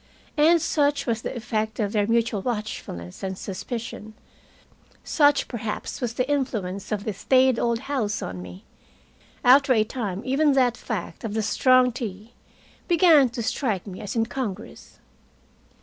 And such was the effect of their mutual watchfulness and suspicion, such perhaps was the influence of the staid old house on me, after a time even that fact, of the strong tea, began to strike me as incongruous.